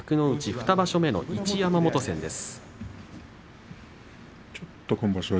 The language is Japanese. ２場所目の一山本戦です。